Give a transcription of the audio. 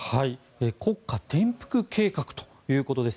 国家転覆計画ということです。